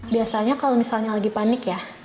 biasanya kalau misalnya lagi panik ya